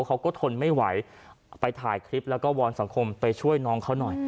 เขาก็ทนไม่ไหวไปถ่ายคลิปแล้วก็วอนสังคมไปช่วยน้องเขาหน่อย